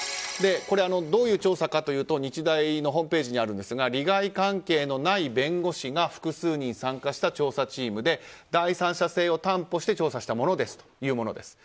どういう調査課というと日大のホームページにあるんですが利害関係のない弁護士が複数人参加した調査チームで第三者性を担保して調査したというものです。